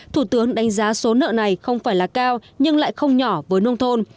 thủ tướng đánh giá số nợ này không phải là cao nhưng lại không nhỏ với nông thôn